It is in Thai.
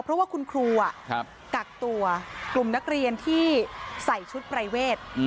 เพราะว่าคุณครูกักตัวกลุ่มนักเรียนที่ใส่ชุดปรายเวท